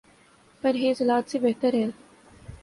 پرہیز علاج سے بہتر ہے۔